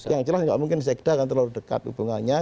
yang jelas nggak mungkin sekedar akan terlalu dekat hubungannya